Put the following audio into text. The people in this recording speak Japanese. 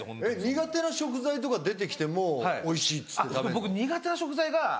苦手な食材出て来てもおいしいっつって食べんの？